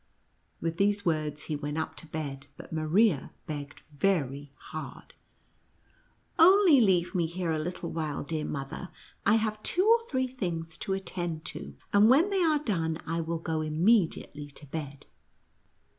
With these words he went up to bed, but Maria begged very hard, " Only leave me here a little while, clear mother. I have two or three things to attend to, and when they are done I will go immediately to bed."